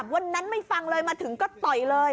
วันนั้นไม่ฟังเลยมาถึงก็ต่อยเลย